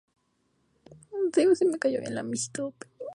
Fue diputado a las Cortes Españolas durante la restauración borbónica.